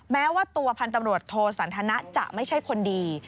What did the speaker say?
แม้ว่าตัวพันธุ์ตำรวจโทสันทนะจะไม่ใช่คนดี